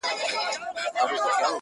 پر بګړۍ به وي زلمیو ګل ټومبلي٫